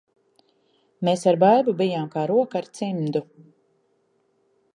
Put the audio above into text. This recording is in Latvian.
Mēs ar Baibu bijām kā roka ar cimdu.